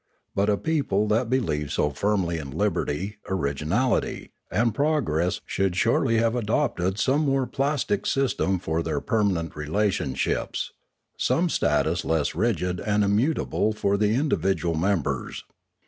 But a people that believed so firmly in liberty, originality, and progress should surely have adopted some more plastic system for their permanent relationships, some status less rigid and immutable for the individual members.